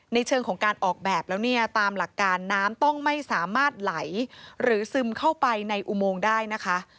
เชิงของการออกแบบแล้วเนี่ยตามหลักการน้ำต้องไม่สามารถไหลหรือซึมเข้าไปในอุโมงได้นะคะ